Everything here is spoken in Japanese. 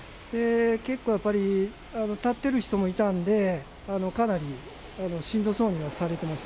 結構やっぱり、立ってる人もいたんで、かなりしんどそうにはされてました。